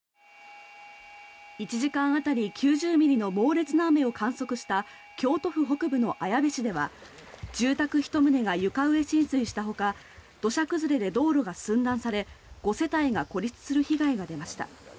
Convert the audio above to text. １時間当たり９０ミリの猛烈な雨を観測した京都府北部の綾部市では住宅１棟が床上浸水したほか土砂崩れで道路が寸断され５世帯が孤立する被害が出ました。